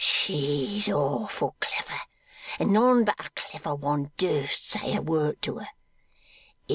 She's awful clever, and none but a clever one durst say a word to her.